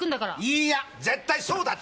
いいや絶対そうだって！